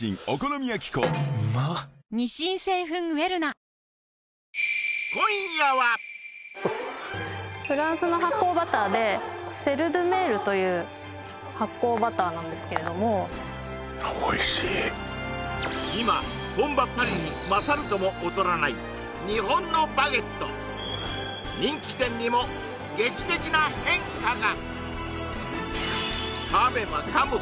乳酸菌が一時的な胃の負担をやわらげるでセル・ドゥ・メールという発酵バターなんですけれども今本場パリに勝るとも劣らない日本のバゲット人気店にも劇的な変化が！